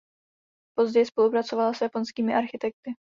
Později spolupracovala s japonskými architekty.